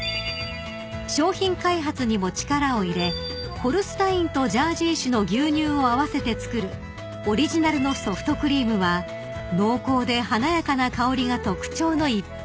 ［商品開発にも力を入れホルスタインとジャージー種の牛乳を合わせて作るオリジナルのソフトクリームは濃厚で華やかな香りが特徴の逸品］